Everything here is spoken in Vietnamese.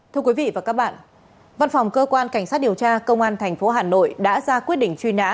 thưa quý vị và các bạn văn phòng cơ quan cảnh sát điều tra công an tp hà nội đã ra quyết định truy nã